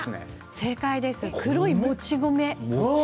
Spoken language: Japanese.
正解です、黒いもち米。